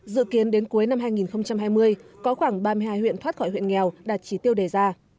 dự kiến đến cuối năm hai nghìn hai mươi có khoảng ba mươi hai huyện thoát khỏi huyện nghèo đạt chỉ tiêu đề ra